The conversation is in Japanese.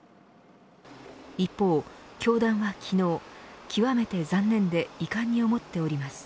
一方、教団は昨日極めて残念で遺憾に思っております。